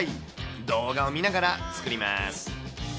動画を見ながら作ります。